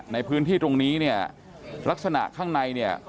ในพื้นที่ตรงนี้เนี่ยลักษณะข้างในเนี่ย